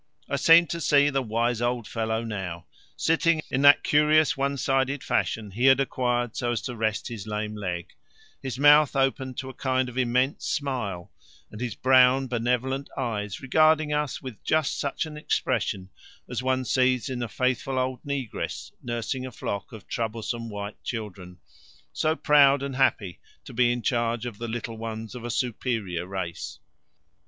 I seem to see the wise old fellow now, sitting in that curious one sided fashion he had acquired so as to rest his lame leg, his mouth opened to a kind of immense smile, and his brown benevolent eyes regarding us with just such an expression as one sees in a faithful old negress nursing a flock of troublesome white children so proud and happy to be in charge of the little ones of a superior race!